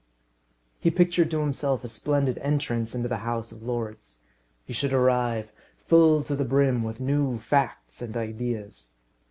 He pictured to himself a splendid entrance into the House of Lords. He should arrive full to the brim with new facts and ideas.